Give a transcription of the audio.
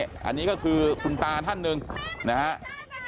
อันนี้ก็คือคุณตาท่านหนึ่งนะครับ